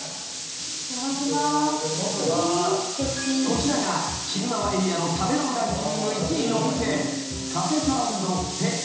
［こちらが鬼怒川エリアの食べログランキング１位のお店］